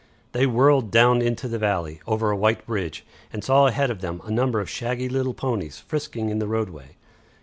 They whirled down into the valley, over a white bridge, and saw ahead of them a number of shaggy little ponies frisking in the roadway.